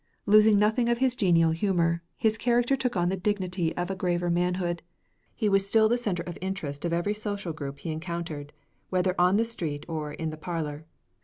Losing nothing of his genial humor, his character took on the dignity of a graver manhood. He was still the center of interest of every social group he encountered, whether on the street or in the parlor.